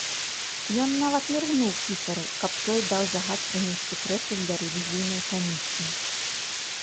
Ён нават міргнуў пісару, каб той даў загад прынесці крэслы для рэвізійнай камісіі.